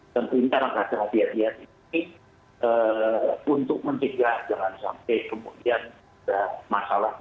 tentunya langkah sehatian hian ini untuk mencegah jangan sampai kemudian masalah di